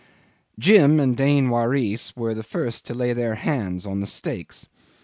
Jim and Dain Waris were the first to lay their hands on the stakes.